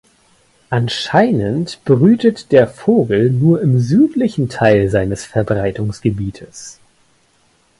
Anscheinend brütet der Vogel nur im südlichen Teil seines Verbreitungsgebietes.